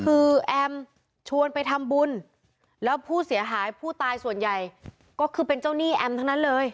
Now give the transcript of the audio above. คือแอมชวนไปทำบุญแล้วผู้เสียหายผู้ตายส่วนใหญ่ก็คือเป็นเจ้าหนี้แอมทั้งนั้นเลย